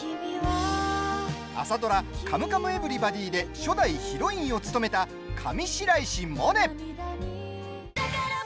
朝ドラ「カムカムエヴリバディ」で初代ヒロインを務めた上白石萌音。